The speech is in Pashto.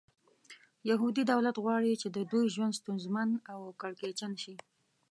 یهودي دولت غواړي چې د دوی ژوند ستونزمن او کړکېچن شي.